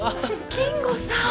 金吾さん。